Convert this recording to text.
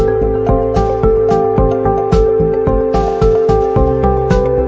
จริงจริงจริงจริงจริงจริงพี่แจ๊คเฮ้ยสวยนะเนี่ยเป็นเล่นไป